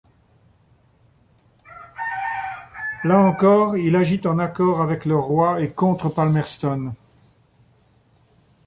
Là encore il agit en accord avec le roi et contre Palmerston.